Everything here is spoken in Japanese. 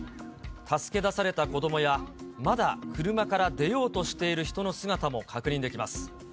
助け出された子どもや、まだ車から出ようとしている人の姿も確認できます。